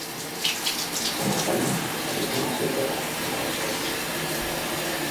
En zonas salinas se adiciona azufre para controlar el sodio.